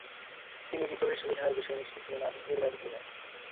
তিনি বিদ্রোহের সুবিধার বিষয়ে নিশ্চিত ছিলেন না এবং বাইরে থেকে যান।